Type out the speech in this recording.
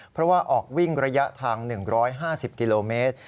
เพราะว่าออกวิ่งระยะทาง๑๕๐กิโลเมตร